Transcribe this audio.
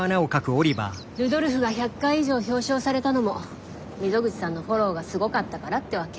ルドルフが１００回以上表彰されたのも溝口さんのフォローがすごかったからってわけ。